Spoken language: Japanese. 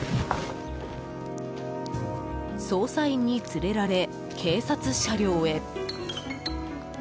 捜査員に連れられ、警察車両へ。